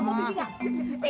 oh mau ke mana tuh ya